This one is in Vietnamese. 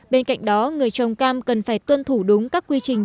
bên cạnh đó người trồng cam cần phải tuân thủ đúng các quy trình